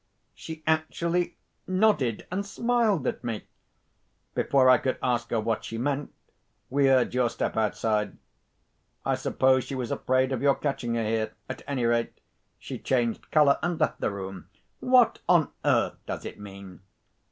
She actually nodded and smiled at me! Before I could ask her what she meant, we heard your step outside. I suppose she was afraid of your catching her here. At any rate, she changed colour, and left the room. What on earth does it mean?"